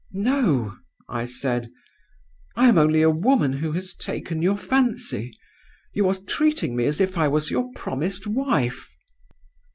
"'No,' I said; 'I am only a woman who has taken your fancy. You are treating me as if I was your promised wife.